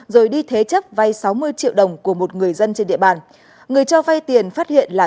rồi đi thế chấp vay sáu mươi triệu đồng của một người dân trên địa bàn người cho vay tiền phát hiện là